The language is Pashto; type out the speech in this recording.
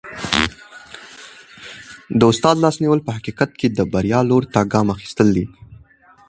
د استاد لاس نیول په حقیقت کي د بریا لوري ته ګام اخیستل دي.